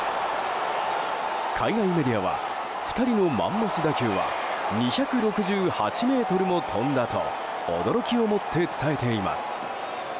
海外メディアは２人のマンモス打球は２６８ｍも飛んだと驚きをもって伝えています。